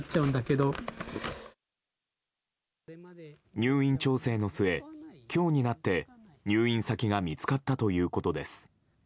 入院調整の末今日になって入院先が見つかったということです。